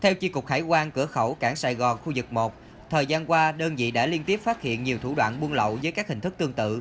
theo chi cục hải quan cửa khẩu cảng sài gòn khu vực một thời gian qua đơn vị đã liên tiếp phát hiện nhiều thủ đoạn buôn lậu với các hình thức tương tự